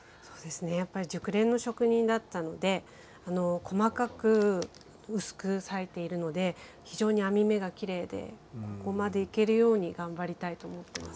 やっぱり熟練の職人だったので細かく薄く裂いているので非常に編み目がきれいでここまでいけるように頑張りたいと思います。